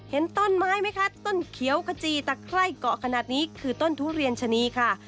เห็นต้นไม้ไหมคะต้นเขียวขจีตะไคร้เกาะขนาดนี้คือต้นทุเรียนชะนีค่ะ